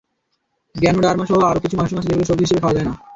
গ্যানোডার্মাসহ আরও কিছু মাশরুম আছে, যেগুলো সবজি হিসেবে খাওয়া যায় না।